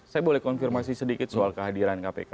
saya boleh konfirmasi sedikit soal kehadiran kpk